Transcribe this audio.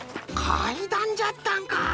かいだんじゃったんか！